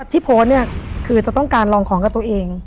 ที่โพสต์เนี่ยคือจะต้องการลองของกับตัวเอง